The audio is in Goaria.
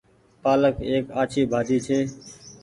پآلڪ ايڪ آڇي ڀآڃي ڇي۔